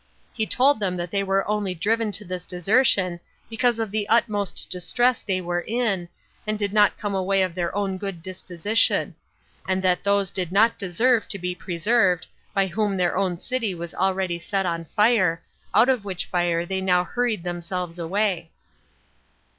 He told them that they were only driven to this desertion because of the utmost distress they were in, and did not come away of their own good disposition; and that those did not deserve to be preserved, by whom their own city was already set on fire, out of which fire they now hurried themselves away.